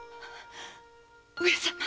上様。